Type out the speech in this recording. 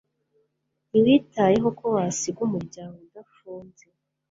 Ntiwitayeho ko wasiga umuryango udafunze.